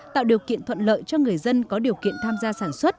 tạo điều kiện thuận lợi cho người dân có điều kiện tham gia sản xuất